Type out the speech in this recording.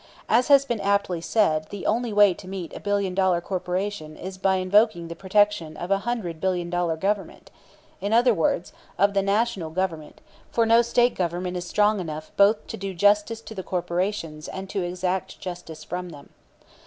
As has been aptly said, the only way to meet a billion dollar corporation is by invoking the protection of a hundred billion dollar government; in other words, of the National Government, for no State Government is strong enough both to do justice to corporations and to exact justice from them.